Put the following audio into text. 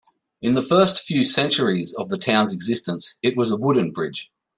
In the first few centuries of the town's existence, it was a wooden bridge.